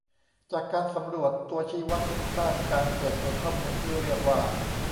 จากการสำรวจตัวชี้วัดด้านการเปิดเผยข้อมูลที่เรียกว่า